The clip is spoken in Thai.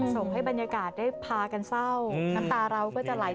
ส่งให้บรรยากาศได้พากันเศร้าน้ำตาเราก็จะไหล